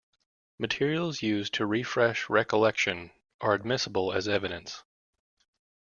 Materials used to refresh recollection are admissible as evidence.